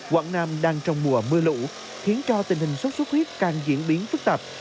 quảng nam đang trong mùa mưa lũ khiến cho tình hình xuất xuất huyết càng diễn biến phức tạp